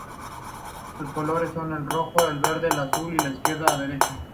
Sus colores son el rojo, el verde y el azul, de izquierda a derecha.